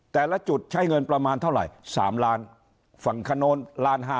แต่ละจุดใช้เงินประมาณเท่าไหร่๓ล้านฝั่งคนโน้นล้านห้า